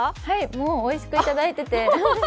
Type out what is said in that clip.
はい、もうおいしく頂いていて。